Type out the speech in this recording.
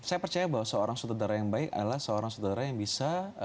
saya percaya bahwa seorang sutradara yang baik adalah seorang sutradara yang bisa